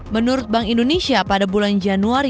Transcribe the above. menurut bank indonesia pada bulan januari dua ribu empat belas